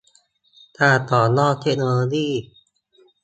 การต่อยอดเทคโนโลยี